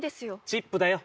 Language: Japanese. チップだよ